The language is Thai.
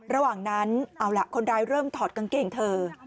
ระหว่างนั้นเอาล่ะคนร้ายเริ่มถอดกางเกงเธอ